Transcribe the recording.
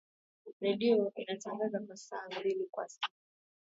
Redio inatangaza kwa saa mbili kwa siku